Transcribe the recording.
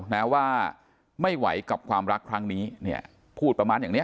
นะว่าไม่ไหวกับความรักครั้งนี้เนี่ยพูดประมาณอย่างเนี้ย